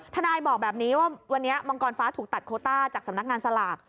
ทนายบอกแบบนี้ว่าวันนี้มังกรฟ้าถูกตัดโคต้าจากสำนักงานสลาก